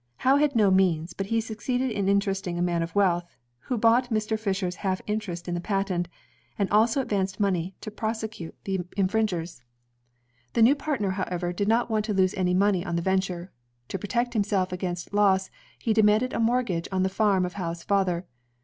Howe had no means, but he succeeded in interesting a man of wealth, who bought Mr. Fisher's half interest in the patent, and also advanced money to prosecute the I40 INVENTIONS OF MANUFACTURE AND PRODUCTION infringers. The new partner, however, did not want to lose any money on the venture. To protect himself against loss, he demanded a mortgage on the farm of Howe's father.